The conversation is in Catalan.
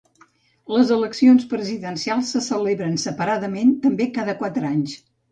Les eleccions presidencials se celebren separadament, també cada quatre anys.